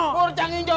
purr changi jo